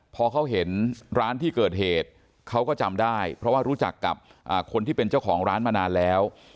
พอเขาเห็นร้านที่เกิดเหตุเขาก็จำได้เพราะว่ารู้จักกับคนที่เป็นเจ้าของร้านมานานแล้ว